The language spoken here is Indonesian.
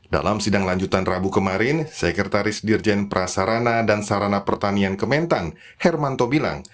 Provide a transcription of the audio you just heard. dalam sidang lanjutan rabu kemarin sekretaris dirjen prasarana dan sarana pertanian kementan hermanto bilang